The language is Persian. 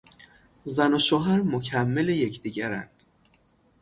زن و شوهر مکمل یکدیگرند.